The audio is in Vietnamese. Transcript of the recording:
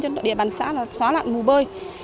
trong đoạn địa bàn xã là xóa lặn mù bơi